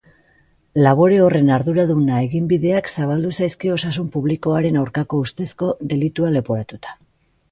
Labore horren arduraduna eginbideak zabaldu zaizkio osasun publikoaren aurkako ustezko delitua leporatuta.